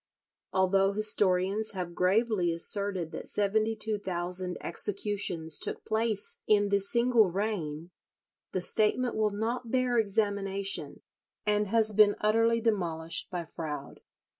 Although historians have gravely asserted that seventy two thousand executions took place in this single reign, the statement will not bear examination, and has been utterly demolished by Froude.